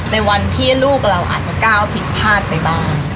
ในวันที่ลูกเราอาจจะก้าวผิดพลาดไปบ้าง